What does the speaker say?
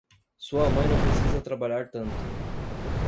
Sua mãe não precisa trabalhar tanto.